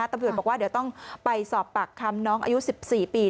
ตำรวจบอกว่าเดี๋ยวต้องไปสอบปากคำน้องอายุ๑๔ปี